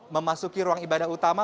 memasuki ruang ibadah utama